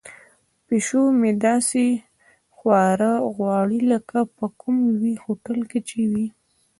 پیشو مې داسې خواړه غواړي لکه په کوم لوی هوټل کې چې وي.